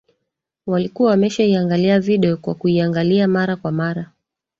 Walikuwa wameshaiangalia video kwa kuiangalia mara kwa mara